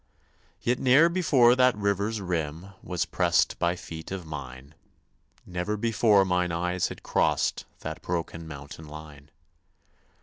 Yet ne'er before that river's rim Was pressed by feet of mine, Never before mine eyes had crossed That broken mountain line.